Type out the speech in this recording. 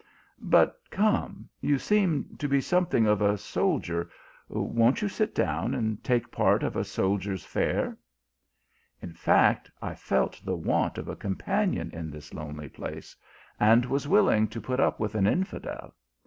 But come, you seem to be something of a soldier, won t you sit down, and take part of a soldier s fare ? In fact, I felt the want of a companion in this lonely place, and was willing to put up with an infidel.